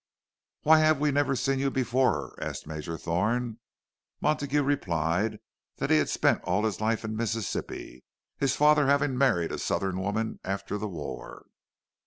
"Why have we never seen you before?" asked Major Thorne. Montague replied that he had spent all his life in Mississippi—his father having married a Southern woman after the war.